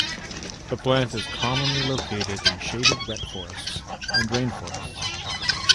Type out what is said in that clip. The plant is commonly located in shaded wet forests and rainforests.